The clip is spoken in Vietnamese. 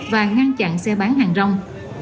và ngăn chặn xe bán hàng rong